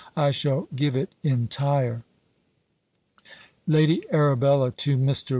I shall give it entire. "LADY ARABELLA TO MR.